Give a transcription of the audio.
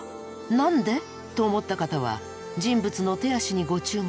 何で？」と思った方は人物の手足にご注目。